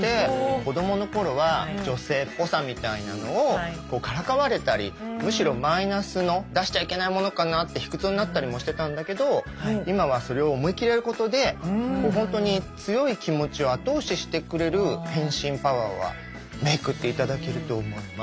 子供の頃は女性っぽさみたいなのをからかわれたりむしろマイナスの出しちゃいけないものかなって卑屈になったりもしてたんだけど今はそれを思いっきりやることでほんとに強い気持ちを後押ししてくれる変身パワーはメークって頂けると思います。